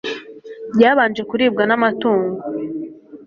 byabanje kuribwa na matungo.